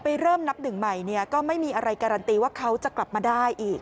เริ่มนับหนึ่งใหม่เนี่ยก็ไม่มีอะไรการันตีว่าเขาจะกลับมาได้อีก